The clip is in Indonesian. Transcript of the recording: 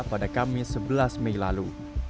pada kamis sebelas mei lalu